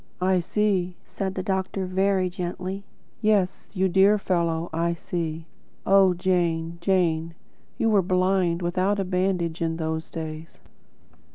"I see," said the doctor, very gently. "Yes, you dear fellow, I see." (Oh, Jane, Jane! You were blind, without a bandage, in those days!)